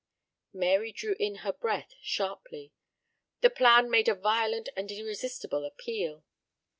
Mary drew in her breath sharply. The plan made a violent and irresistible appeal.